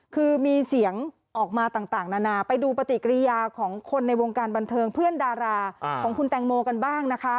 คือมีเสียงออกมาต่างนานาไปดูปฏิกิริยาของคนในวงการบันเทิงเพื่อนดาราของคุณแตงโมกันบ้างนะคะ